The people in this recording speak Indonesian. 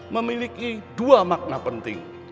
memiliki dua makna penting